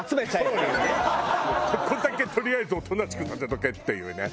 ここだけとりあえずおとなしくさせとけっていうね。